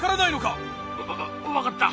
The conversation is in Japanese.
わ分かった！